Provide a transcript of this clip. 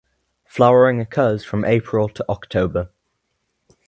Flowering occurs from April to October.